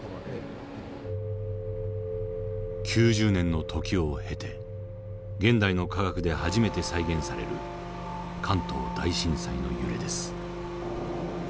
９０年の時を経て現代の科学で初めて再現される関東大震災の揺れです。